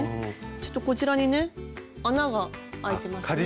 ちょっとこちらにね穴があいてますね。